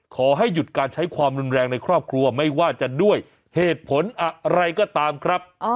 ขอให้หยุดการใช้ความรุนแรงในครอบครัวไม่ว่าจะด้วยเหตุผลอะไรก็ตามครับ